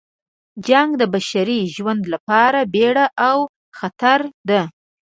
جنګ د بشري ژوند لپاره بیړه او خطر ده.